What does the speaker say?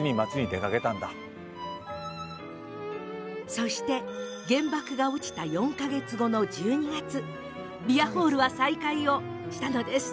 そして、原爆が落ちた４か月後の１２月ビアホールは再開したのです。